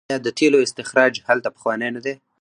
آیا د تیلو استخراج هلته پخوانی نه دی؟